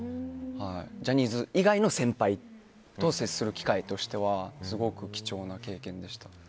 ジャニーズ以外の先輩と接する機会としてはすごく貴重な経験でした。